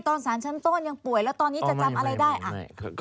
สารชั้นต้นยังป่วยแล้วตอนนี้จะจำอะไรได้